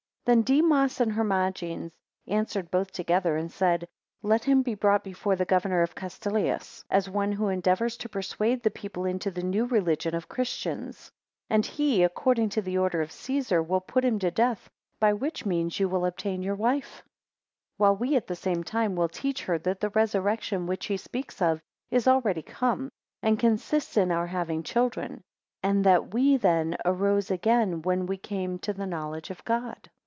4 Then Demas and Hermogenes answered both together, and said, Let him be brought before the governor Castellius, as one who endeavours to persuade the people into the new religion of the Christians, and he, according to the order of Caesar, will put him to death, by which means you will obtain your wife; 5 While we at the same time will teach her, that the resurrection which he speaks of is already come, and consists in our having children; and that we then arose again, when we came to the knowledge of God.